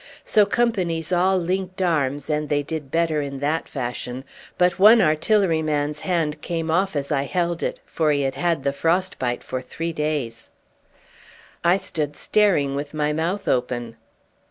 So companies all linked arms, and they did better in that fashion; but one artilleryman's hand came off as I held it, for he had had the frost bite for three days." I stood staring with my mouth open.